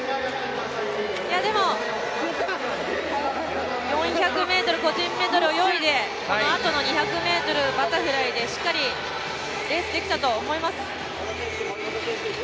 でも４００ｍ個人メドレーを泳いでこのあとの２００ｍバタフライでしっかりレースできたと思います。